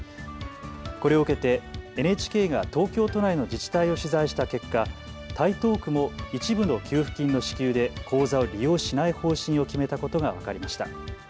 これを受けてＮＨＫが東京都内の自治体を取材した結果、台東区も一部の給付金の支給で口座を利用しない方針を決めたことが分かりました。